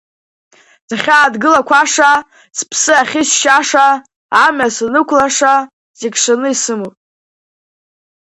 Сахьааҭгылақәаша, сԥсы ахьысшьаша, амҩа санықәлаша, зегь шаны исымоуп.